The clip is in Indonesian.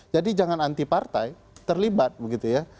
jadi jangan anti partai terlibat begitu ya